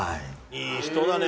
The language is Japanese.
いい人だね。